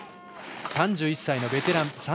３１歳のベテラン。